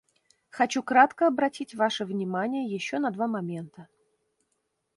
Хочу кратко обратить ваше внимание еще на два момента.